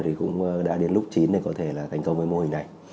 thì cũng đã đến lúc chín để có thể thành công với mô hình này